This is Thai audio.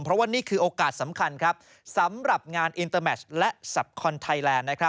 เพราะว่านี่คือโอกาสสำคัญครับสำหรับงานอินเตอร์แมชและสับคอนไทยแลนด์